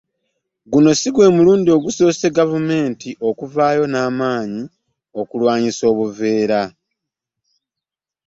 Guno si gw'emulundi ogusoose nga gavumenti evaayo n'amaanyi okulwanyisa obuveera.